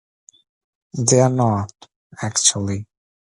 They're not, actually.